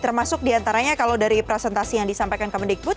termasuk diantaranya kalau dari presentasi yang disampaikan kemendikbud